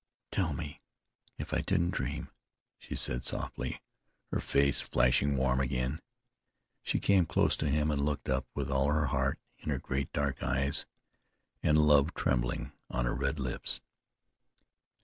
"Tell me, if I didn't dream," she said softly, her face flashing warm again. She came close to him and looked up with all her heart in her great dark eyes, and love trembling on her red lips.